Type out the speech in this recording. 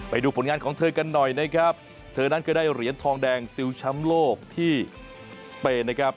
ไปดูผลงานของเธอกันหน่อยนะครับเธอนั้นก็ได้เหรียญทองแดงซิลช้ำโลกที่สเปนนะครับ